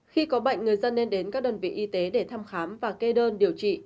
khi có bệnh người dân nên đến các đơn vị y tế để thăm khám và kê đơn điều trị